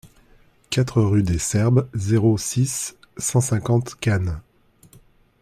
quatre rue des Serbes, zéro six, cent cinquante Cannes